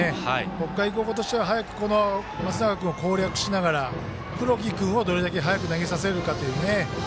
北海高校としては早く松永君を攻略しながら黒木君をどれだけ早く投げさせるかという。